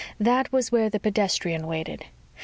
That was where the pedestrian waited.